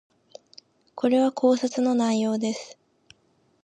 これは考察の内容です